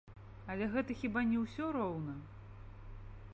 Але гэта хіба не ўсё роўна?